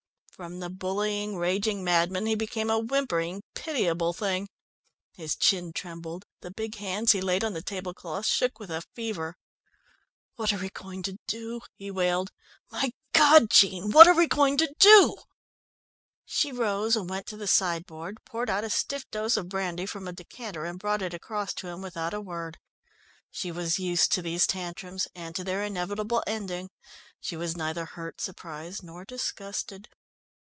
From the bullying, raging madman, he became a whimpering, pitiable thing. His chin trembled, the big hands he laid on the tablecloth shook with a fever. "What are we going to do?" he wailed. "My God, Jean, what are we going to do?" She rose and went to the sideboard, poured out a stiff dose of brandy from a decanter and brought it across to him without a word. She was used to these tantrums, and to their inevitable ending. She was neither hurt, surprised, nor disgusted.